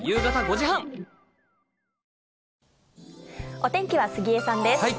お天気は杉江さんです。